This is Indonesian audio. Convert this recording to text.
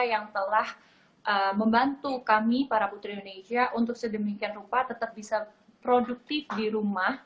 yang telah membantu kami para putri indonesia untuk sedemikian rupa tetap bisa produktif di rumah